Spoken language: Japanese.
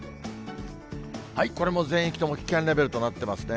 これも全域とも危険レベルとなってますね。